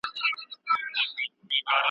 سیاسي حالت یې بیان کړ